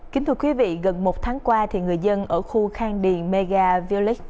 kính thưa quý vị gần một tháng qua người dân ở khu khang điền mega village